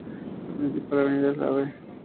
Su principal avenida es la Av.